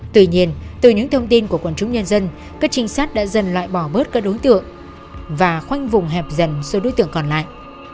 tuy nhiên từ những thông tin của quần chúng nhân dân các trinh sát đã dần loại bỏ bớt các đối tượng và khoanh vùng hẹp dần số đối tượng còn lại